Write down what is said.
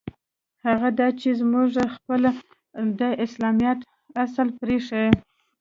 هغه دا چې موږ خپل د اسلامیت اصل پرېیښی.